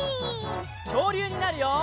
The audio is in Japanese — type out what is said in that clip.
きょうりゅうになるよ！